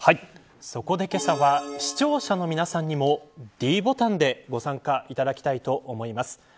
そこで、けさは視聴者の皆さんにもｄボタンでご参加いただきたいと思います。